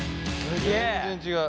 全然違う。